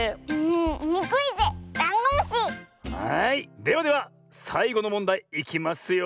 ではではさいごのもんだいいきますよ。